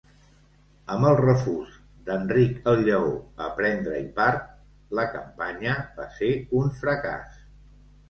Amb el refús d'Enric el Lleó a prendre-hi part, la campanya va ser un fracàs.